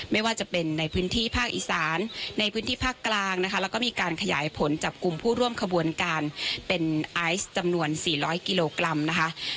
ไม่ว่าจะเป็นในพื้นที่ภาคอีสานในพื้นที่ภาคกลางนะคะแล้วก็มีการขยายผลจับกลุ่มผู้ร่วมขบวนการเป็นไอซ์จำนวน๔๐๐กิโลกรัมนะคะ